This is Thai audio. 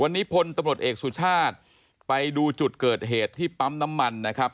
วันนี้พลตำรวจเอกสุชาติไปดูจุดเกิดเหตุที่ปั๊มน้ำมันนะครับ